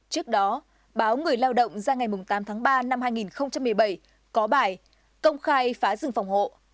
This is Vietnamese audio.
trước đó báo người lao động ra ngày tám tháng ba năm hai nghìn một mươi bảy có bài công khai phá rừng phòng hộ